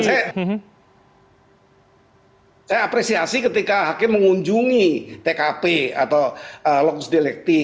ya dan saya apresiasi ketika hakim mengunjungi tkp atau logos delekti